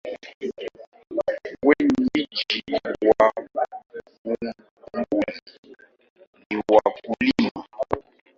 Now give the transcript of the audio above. Wenyeji wa Bumbuli ni wakulima.